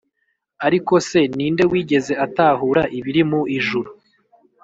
ariko se ni nde wigeze atahura ibiri mu ijuru?